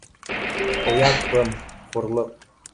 Оят пым, хурлыҡ